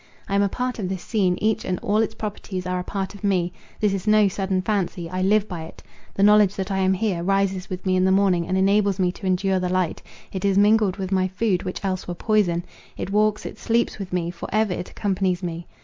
I am a part of this scene; each and all its properties are a part of me. This is no sudden fancy; I live by it. The knowledge that I am here, rises with me in the morning, and enables me to endure the light; it is mingled with my food, which else were poison; it walks, it sleeps with me, for ever it accompanies me.